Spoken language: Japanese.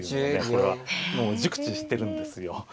これはもう熟知してるんですよ。